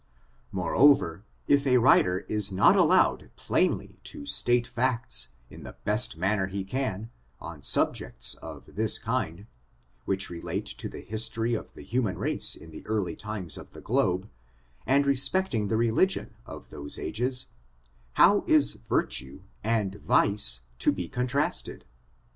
Moreover, if a writer is not allowed plainly to state facts, in the best manner he can, on subjects of this kind, which re late to the history of the human race in the early times of the globe, and respecting the religion of those ages, how is virtue and vice to be contrasted?